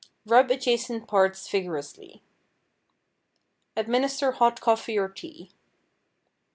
Rub adjacent parts vigorously. Administer hot coffee or tea.